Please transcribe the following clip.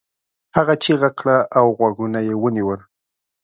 هغه چیغه کړه او غوږونه یې ونيول.